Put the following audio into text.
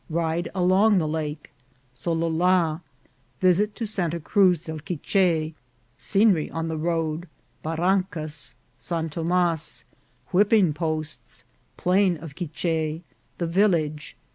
— Ride along the Lake. — Solola. — Visit to Santa Cruz del Quiche. — Scenery on the Road. — Barrancas. — San Thomas. — Whipping posts. — Plain of Quiche. — The Village.